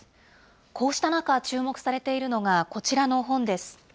こうした中、注目されているのがこちらの本です。